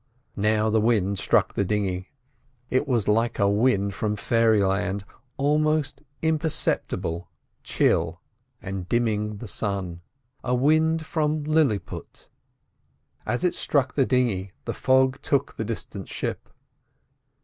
Now the wind struck the dinghy. It was like a wind from fairyland, almost imperceptible, chill, and dimming the sun. A wind from Lilliput. As it struck the dinghy, the fog took the distant ship.